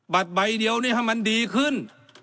ใบเดียวนี่ให้มันดีขึ้น